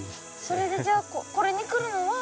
それでじゃあこれに来るのは？